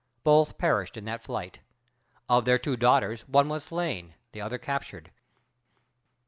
Both perished in that flight. Of their two daughters, one was slain, the other captured.